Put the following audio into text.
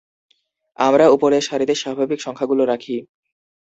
আমরা উপরের সারিতে স্বাভাবিক সংখ্যাগুলো রাখি।